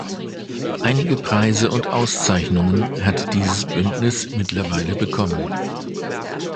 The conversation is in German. Einige Preise und Auszeichnungen hat dieses Bündnis mittlerweile bekommen.